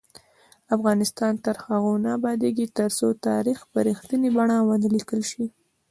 افغانستان تر هغو نه ابادیږي، ترڅو تاریخ په رښتینې بڼه ونه لیکل شي.